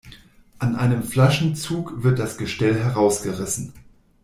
An einem Flaschenzug wird das Gestell herausgerissen.